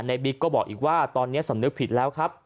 บิ๊กก็บอกอีกว่าตอนนี้สำนึกผิดแล้วครับ